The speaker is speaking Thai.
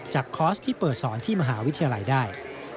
คอร์สที่เปิดสอนที่มหาวิทยาลัยได้